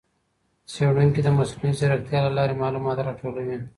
څېړونکي د مصنوعي ځېرکتیا له لارې معلومات راټولوي.